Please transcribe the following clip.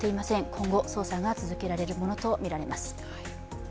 今後、捜査が続けられるものとみられます。